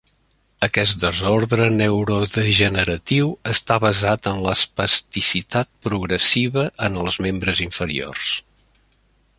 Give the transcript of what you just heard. Aquest desordre neurodegeneratiu està basat en l'espasticitat progressiva en els membres inferiors.